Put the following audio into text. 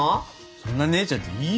そんな姉ちゃんでいいよ